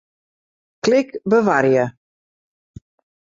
Klik Bewarje.